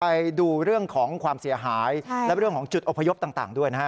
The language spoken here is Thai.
ไปดูเรื่องของความเสียหายและเรื่องของจุดอพยพต่างด้วยนะฮะ